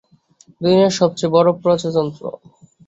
দুনিয়ার সবচেয়ে বড় প্রজাতন্ত্র।